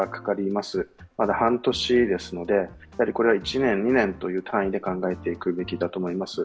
まだ半年ですので、これは１年、２年という単位で考えていくべきだと思います。